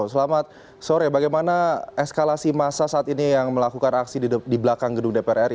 selamat sore bagaimana eskalasi masa saat ini yang melakukan aksi di belakang gedung dpr ri